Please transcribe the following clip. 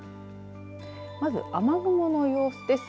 まず、雨雲の様子です。